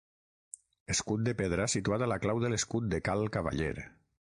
Escut de pedra situat a la clau de l'escut de Cal Cavaller.